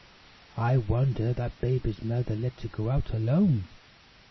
"I wonder that baby's mother lets it go out alone," thought Tiny.